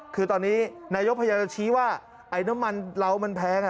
คือตอนนี้นายกพยาชิว่าน้ำมันเรามันแพง